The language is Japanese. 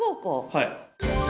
はい。